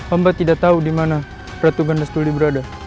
ombak tidak tahu dimana ratu ganda suli berada